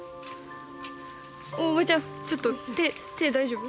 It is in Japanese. おおおばちゃんちょっと手手大丈夫？